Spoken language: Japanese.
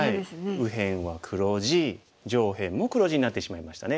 右辺は黒地上辺も黒地になってしまいましたね。